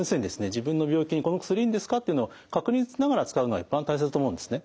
自分の病気にこの薬いいんですかっていうのを確認しながら使うのが一番大切だと思うんですね。